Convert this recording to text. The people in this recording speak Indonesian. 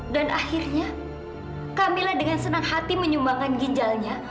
dan akhirnya kamila dengan senang hati menyumbangkan ginjalnya